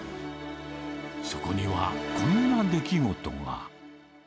そこにはこんな出来事が。